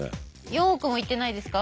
４億もいってないですか？